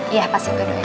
iya pasti gue doain